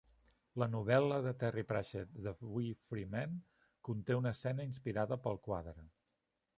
La novel·la de Terry Pratchett "The Wee Free Men" conté una escena inspirada pel quadre.